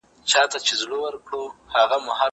زه اوس د کتابتون لپاره کار کوم؟